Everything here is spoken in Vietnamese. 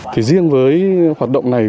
thì riêng với hoạt động này